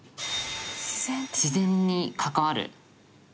自然に関わる。